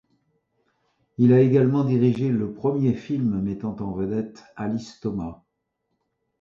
Il a également dirigé le premier film mettant en vedette Alice Thomas.